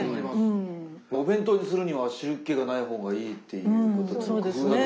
お弁当にするには汁っけがない方がいいっていうことの工夫が。